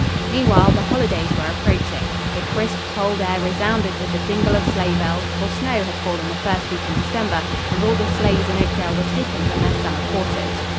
Meanwhile, the holidays were approaching. The crisp, cold air resounded with the jingle of sleigh bells, for snow had fallen the first week in December and all the sleighs in Oakdale were taken from their summer quarters.